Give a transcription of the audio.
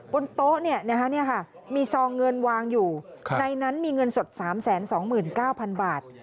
บนโต๊ะมีซองเงินวางอยู่ในนั้นมีเงินสด๓๒๙๐๐บาท